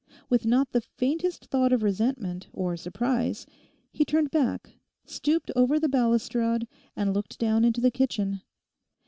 With not the faintest thought of resentment or surprise, he turned back, stooped over the balustrade and looked down into the kitchen.